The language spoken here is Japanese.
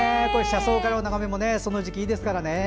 車窓からの眺めもその時期いいですからね。